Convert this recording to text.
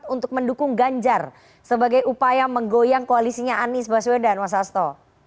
untuk mendukung ganjar sebagai upaya menggoyang koalisinya anies baswedan mas asto